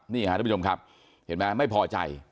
นี่ค่ะทุกผู้ชมครับเห็นไหมไม่พอใจ